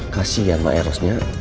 kasih ya emang erosnya